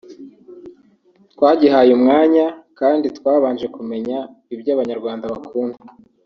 twagihaye umwanya kandi twabanje kumenya ibyo Abanyarwanda bakunda